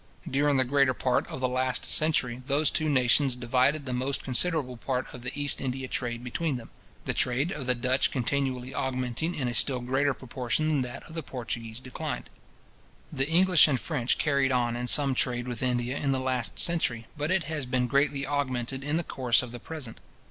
During the greater part of the last century, those two nations divided the most considerable part of the East India trade between them; the trade of the Dutch continually augmenting in a still greater proportion than that of the Portuguese declined. The English and French carried on some trade with India in the last century, but it has been greatly augmented in the course of the present.